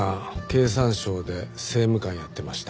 経産省で政務官やってました。